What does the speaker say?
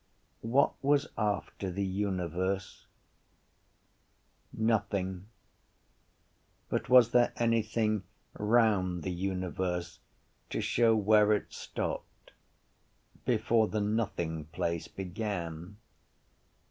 What was after the universe? Nothing. But was there anything round the universe to show where it stopped before the nothing place began?